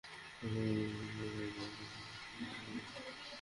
রানি yen yen প্রতিযোগিতায় অংশ নেওয়া গৃহিণীদের রান্না করা খাবার খেয়ে দেখেন।